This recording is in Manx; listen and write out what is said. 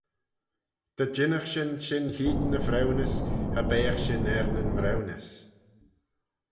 Dy jinnagh shin shin hene y vriwnys, cha beagh shin er nyn mriwnys.